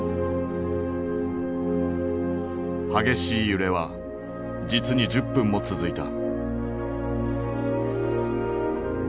激しい揺れは実に１０分も続いた。